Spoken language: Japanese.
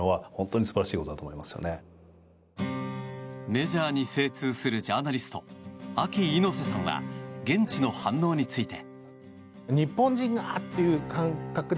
メジャーに精通するジャーナリストＡＫＩ猪瀬さんは現地の反応について。